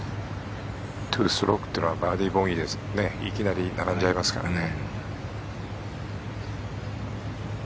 ２ストロークというのはバーディー、ボギーでいきなり並んじゃいますからね。